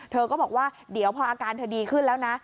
เธอก็บอกว่าเดี๋ยวพออาการเธอดีขึ้นแล้วนะ